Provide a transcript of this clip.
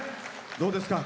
どうですか？